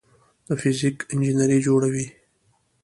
د فزیک انجینري جوړوي.